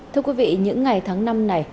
thưa quý vị những ngày tháng năm này